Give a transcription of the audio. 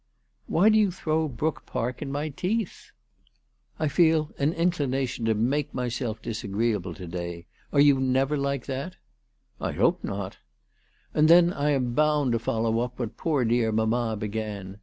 " Why do you throw Brook Park in my teeth ?" 336 ALICE DUGDALE. " I feel an inclination to make myself disagreeable to day. Are you never like that ?"" I hope not." " And then I am bound to follow up what poor dear mamma began.